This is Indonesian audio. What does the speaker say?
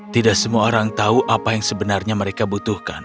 tidak semua orang tahu apa yang sebenarnya mereka butuhkan